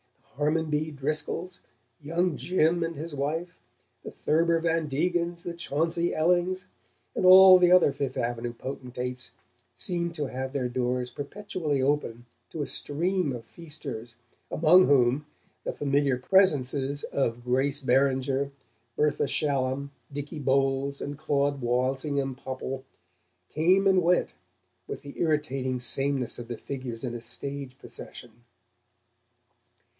The Harmon B. Driscolls, young Jim and his wife, the Thurber Van Degens, the Chauncey Ellings, and all the other Fifth Avenue potentates, seemed to have their doors perpetually open to a stream of feasters among whom the familiar presences of Grace Beringer, Bertha Shallum, Dicky Bowles and Claud Walsingham Popple came and went with the irritating sameness of the figures in a stage procession.